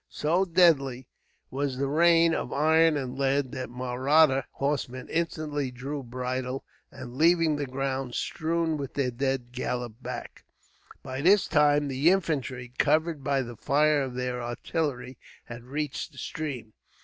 So deadly was the rain of iron and lead that the Mahratta horsemen instantly drew bridle and, leaving the ground strewn with their dead, galloped back. By this time the infantry, covered by the fire of their artillery, had reached the stream.